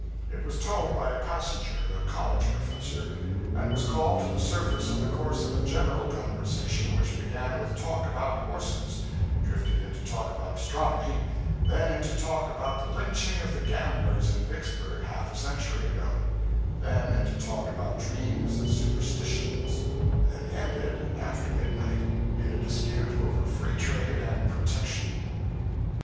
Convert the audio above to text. It was told by a passenger a college professor and was called to the surface in the course of a general conversation which began with talk about horses, drifted into talk about astronomy, then into talk about the lynching of the gamblers in Vicksburg half a century ago, then into talk about dreams and superstitions; and ended, after midnight, in a dispute over free trade and protection.